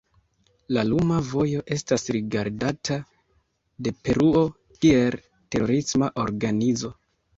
La Luma Vojo estas rigardata de Peruo kiel terorisma organizo.